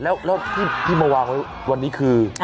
แล้วที่มาวางไว้วันนี้คือ